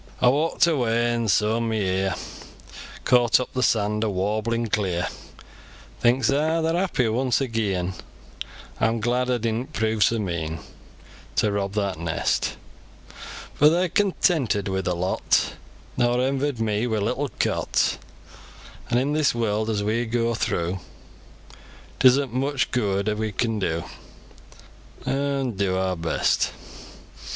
Aw walk'd away, and sooin mi ear Caught up the saand o' warblin clear; Thinks aw, they're happy once agean; Aw'm glad aw didn't prove so mean To rob that nest; For they're contented wi ther lot, Nor envied me mi little cot; An' in this world, as we goa throo, It is'nt mich gooid we can do, An' do awr best.